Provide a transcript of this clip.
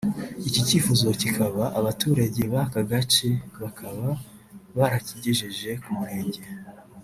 iki cyifuzo kikaba abaturage b’aka gace bakaba barakigejeje ku murenge